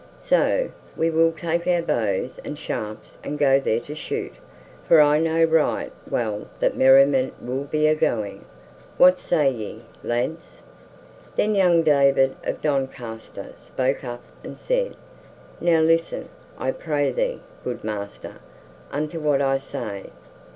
So we will take our bows and shafts and go there to shoot, for I know right well that merriment will be a going. What say ye, lads?" Then young David of Doncaster spoke up and said, "Now listen, I pray thee, good master, unto what I say.